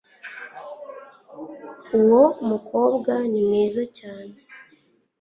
uwo mukobwa ni mwiza cyane